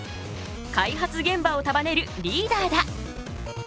開発現場を束ねるリーダーだ。